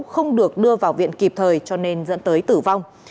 không được đưa vào viện kịp thời cho nên dẫn tới tử vong